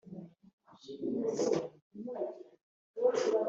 gucibwa ihazabu ibindi bihano